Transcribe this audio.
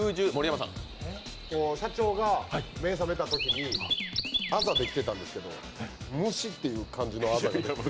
社長が目覚めたときにあざできてたんですけど「蒸し」っていう漢字のあざが。